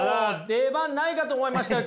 出番ないかと思いましたよ